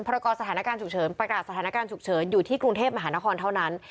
รากอสถานการณ์ฉุกเฉินประกาศสถานการณ์ฉุกเฉินอยู่ที่กรุงเทพมหานครเท่านั้น